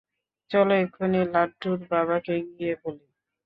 চল এক্ষুনি লাড্ডুর বাবাকে গিয়ে বলি।